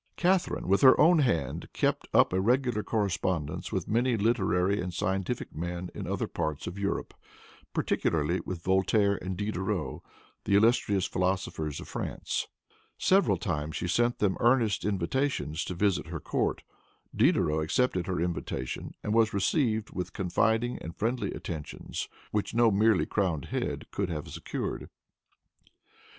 Catharine, with her own hand, kept up a regular correspondence with many literary and scientific men in other parts of Europe, particularly with Voltaire and Diderot, the illustrious philosophers of France. Several times she sent them earnest invitations to visit her court. Diderot accepted her invitation, and was received with confiding and friendly attentions which no merely crowned head could have secured.